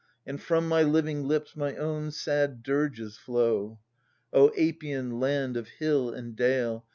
And from my living lips my own sad dirges flow ! O Apian land of hill and dale.